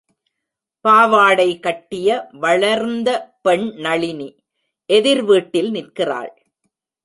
பாவாடைகட்டிய வளர்ந்த பெண் நளினி, எதிர்வீட்டில் நிற்கிறாள்.